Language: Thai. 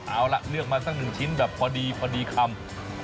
เอาละเลือกมาสักหนึ่งชิ้นพอดีคำ